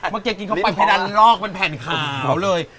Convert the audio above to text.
เมื่อกี้กินเข้าไปเพดานลอกเป็นแผ่นขาวเลย